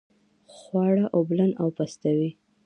خواړه اوبلن او پستوي.